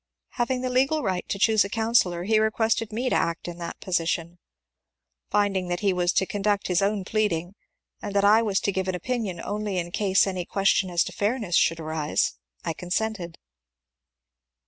Having the legal right to choose a counsellor he requested me to act in that position. Finding that he was to conduct his own plead ing, and that I was to give an opinion only in case any ques tion as to fairness should arise, I consented.